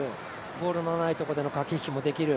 ボールのないところでの駆け引きもできる。